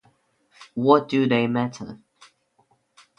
What do they matter?